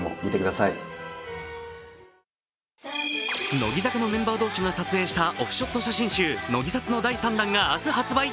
乃木坂のメンバー同士が撮影したオフショット写真集「乃木撮」の第３弾が明日発売。